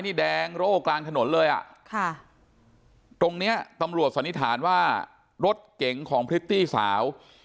นี่แดงโร่กลางถนนเลยอ่ะค่ะตรงเนี้ยตำรวจสันนิษฐานว่ารถเก๋งของพริตตี้สาว